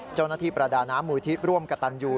เจ้าหน้าที่ประดาน้ำมูลที่ร่วมกระตันยู